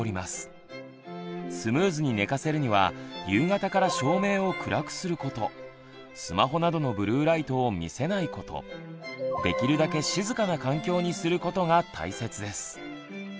スムーズに寝かせるには夕方から照明を暗くすることスマホなどのブルーライトを見せないことできるだけ静かな環境にすることが大切です。